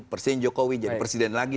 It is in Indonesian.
presiden jokowi jadi presiden lagi